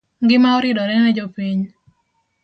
Ngima oridore ne jopiny